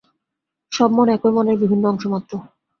সব মন একই মনের বিভিন্ন অংশ মাত্র।